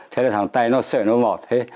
thế là thằng tây nó sợ nó bảo thế